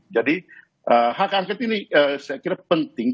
jadi hak angket ini saya kira penting